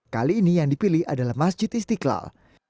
kali ini yang dipilih adalah masjid istiqlal